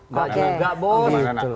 enggak enggak enggak enggak